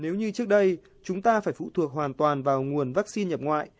nếu như trước đây chúng ta phải phụ thuộc hoàn toàn vào nguồn vaccine nhập ngoại